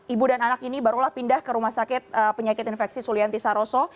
ibu dan anak ini barulah pindah ke rumah sakit penyakit infeksi sulianti saroso